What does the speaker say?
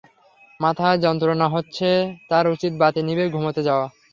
মাথায় যন্ত্রণা হচ্ছে, তাঁর উচিত বাতি নিভিয়ে ঘুমুতে যাওয়া।